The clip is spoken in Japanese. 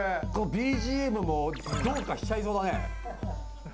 ＢＧＭもどうかしちゃいそうだね。